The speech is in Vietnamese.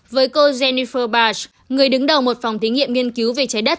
với cô jennifer barch người đứng đầu một phòng thí nghiệm nghiên cứu về cháy đất